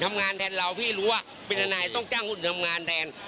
ทำงานแทนเราพี่รู้ว่าเป็นทนายต้องจ้างหุ้นทำงานแทน